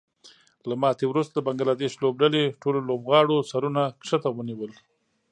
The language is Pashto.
له ماتې وروسته د بنګلادیش لوبډلې ټولو لوبغاړو سرونه ښکته ونیول